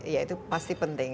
ya itu pasti penting